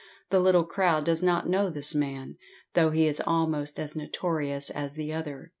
The little crowd does not know this man, though he is almost as notorious as the other.